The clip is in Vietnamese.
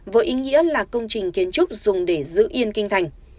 với ý nghĩa là công trình kiến trúc dùng để giữ yên kinh thành